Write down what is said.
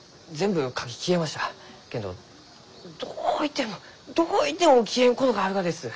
けんどどういてもどういても消えんことがあるがです。